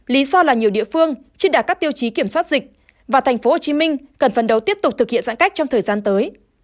lý do là nhiều địa phương chưa đạt các tiêu chí kiểm soát dịch và thành phố hồ chí minh cần phần đầu tiếp tục thực hiện giãn cách trong thời gian tới